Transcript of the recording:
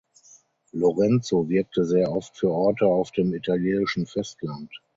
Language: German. Lorenzo wirkte sehr oft für Orte auf dem italienischen Festland.